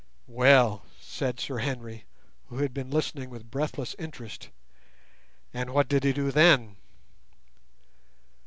"Well," said Sir Henry, who had been listening with breathless interest, "and what did he do then?"